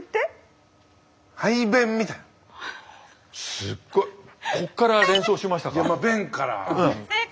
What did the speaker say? すっごいこっから連想しましたか？